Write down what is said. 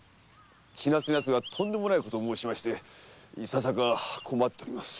千奈津の奴がとんでもないことを申しましていささか困っております。